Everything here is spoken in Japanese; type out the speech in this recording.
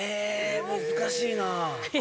難しいな。